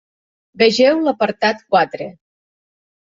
Vegeu l'apartat quatre.